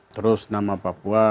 terus nama papua